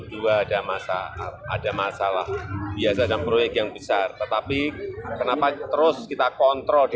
dua ada masalah ada masalah biasa dan proyek yang besar tetapi kenapa terus kita kontrol di